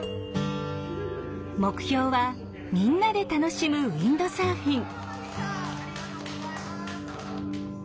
目標はみんなで楽しむウインドサーフィン。